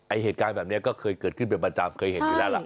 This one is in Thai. เหตุการณ์แบบนี้ก็เคยเกิดขึ้นเป็นประจำเคยเห็นอยู่แล้วล่ะ